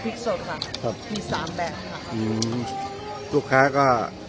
พริกสดฮะครับที่สามแบบค่ะอืมลูกค้าก็